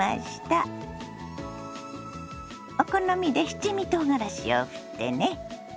お好みで七味とうがらしをふってね。